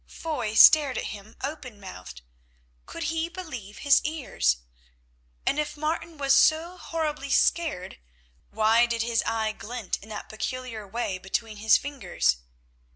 Foy stared at him open mouthed. Could he believe his ears? And if Martin was so horribly scared, why did his eye glint in that peculiar way between his fingers?